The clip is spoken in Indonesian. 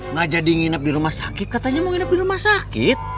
nggak jadi nginep di rumah sakit katanya mau nginep di rumah sakit